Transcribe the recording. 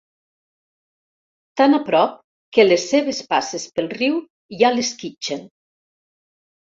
Tan a prop que les seves passes pel riu ja l'esquitxen.